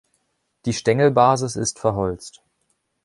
Die Stängelbasis ist verholzt.